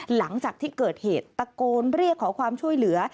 หลังจากที่เกิดเหตุตะโกนเรียกขอความช่วยเหลือ